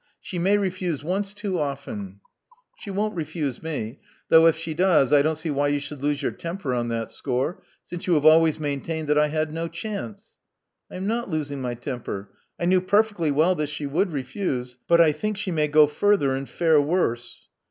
She may refuse once too often. " She won't refuse me. Though, if she does, I don't see why you should lose your temper on that score, since you have always maintained that I had no chance." *'I am not losing my temper. I knew perfectly well that she would refuse ; but I think she may go further and fare worse."